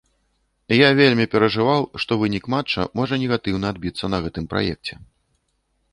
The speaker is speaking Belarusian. Я вельмі перажываў, што вынік матча можа негатыўна адбіцца на гэтым праекце.